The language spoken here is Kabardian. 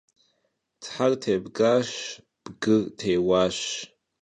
Ther têbgaş, bgır têuaş.